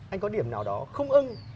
anh có điểm nào đó không ưng